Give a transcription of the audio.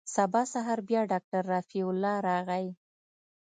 سبا سهار بيا ډاکتر رفيع الله راغى.